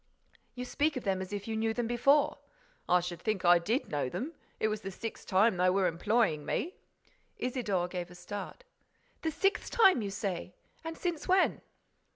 "You speak of them as if you knew them before." "I should think I did know them! It was the sixth time they were employing me." Isidore gave a start: "The sixth time, you say? And since when?"